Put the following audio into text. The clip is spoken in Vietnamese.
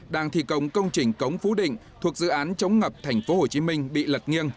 đang thi công công trình cống phú định thuộc dự án chống ngập thành phố hồ chí minh bị lật nghiêng